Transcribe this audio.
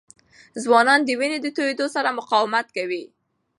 ځوانان د وینې د تویېدو سره مقاومت کوي.